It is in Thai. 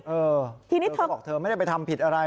เออเธอก็บอกว่าเธอไม่ได้ไปทำผิดอะไร